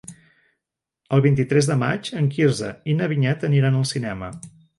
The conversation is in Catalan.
El vint-i-tres de maig en Quirze i na Vinyet aniran al cinema.